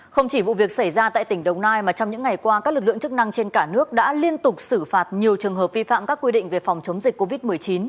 không chỉ vụ việc xảy ra tại tỉnh đồng nai mà trong những ngày qua các lực lượng chức năng trên cả nước đã liên tục xử phạt nhiều trường hợp vi phạm các quy định về phòng chống dịch covid một mươi chín